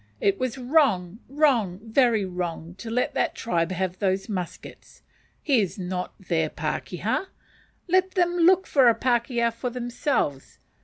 It was wrong, wrong, very wrong, to let that tribe have those muskets. He is not their pakeha; let them look for a pakeha for themselves.